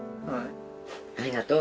ありがとう。